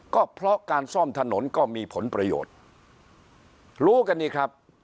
ก็เพราะการซ่อมถนนก็มีผลประโยชน์รู้กันนี่ครับ